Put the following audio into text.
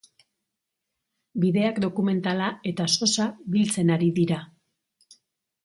Bideak dokumentala eta sosa biltzen ari dira.